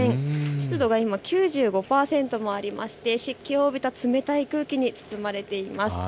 湿度が今、９５％もありまして湿気を帯びた冷たい空気に包まれています。